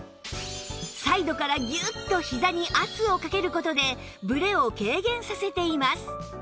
サイドからギューッとひざに圧をかける事でブレを軽減させています